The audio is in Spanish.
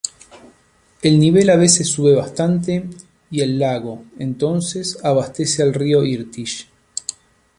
El nivel a veces sube bastante y el lago entonces abastece al río Irtysh.